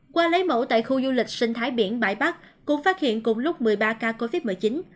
qua lấy mẫu tại khu du lịch sinh thái biển bãi bắc cũng phát hiện cùng lúc một mươi ba ca covid một mươi chín